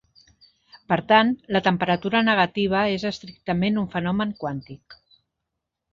Per tant, la temperatura negativa és estrictament un fenomen quàntic.